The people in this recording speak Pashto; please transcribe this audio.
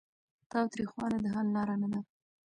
تاوتریخوالی د حل لاره نه ده.